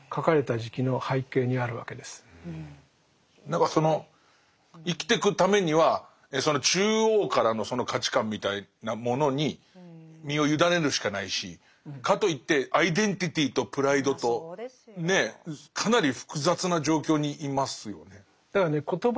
何かその生きてくためにはその中央からの価値観みたいなものに身を委ねるしかないしかといってアイデンティティーとプライドとねえかなり複雑な状況にいますよね。